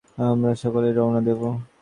আমরা সকালেই রওনা দেবো।